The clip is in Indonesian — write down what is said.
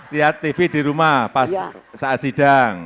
lihat tv di rumah pas saat sidang